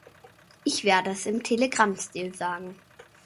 Ich werde es im Telegrammstil sagen.